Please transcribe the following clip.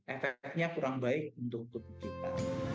efeknya kurang baik untuk tubuh kita